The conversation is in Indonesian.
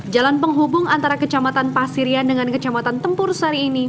jalan penghubung antara kecamatan pasirian dengan kecamatan tempur sari ini